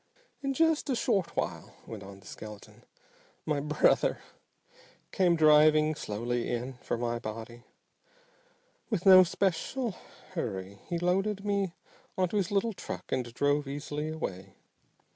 "In just a short while," went on the skeleton, "my 'brother' came driving slowly in for my body. With no special hurry he loaded me onto his little truck and drove easily away.